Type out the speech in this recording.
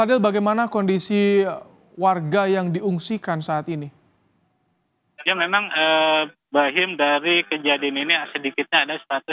ini warga yang diungsikan saat ini dia memang bahim dari kejadian ini sedikitnya ada status